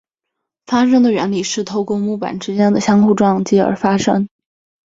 发声的原理是透过木板之间互相撞击而发声。